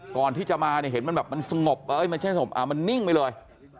ก่อนที่จะมาเห็นมันสงบมันนิ่งไปเลย